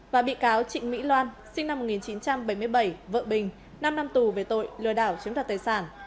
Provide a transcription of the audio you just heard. và bị cáo trịnh mỹ loan sinh năm một nghìn chín trăm bảy mươi bảy vợ bình năm năm tù về tội lừa đảo chiếm đoạt tài sản